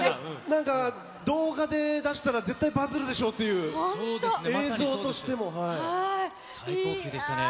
なんか動画で出したら、絶対バズるでしょうっていう、映像としても。最高級でしたね。